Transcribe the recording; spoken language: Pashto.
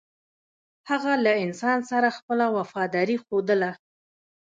هغه له انسان سره خپله وفاداري ښودله.